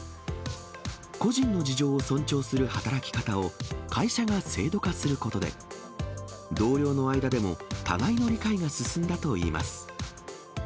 個人の事情を尊重する働き方を会社が制度化することで、同僚の間でも互いの理解が進んだといいます。